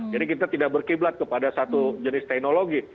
jadi kita tidak berkiblat kepada satu jenis teknologi